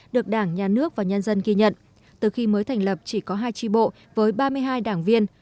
được đảng nhà nước và nhân dân ghi nhận từ khi mới thành lập chỉ có hai tri bộ với ba mươi hai đảng viên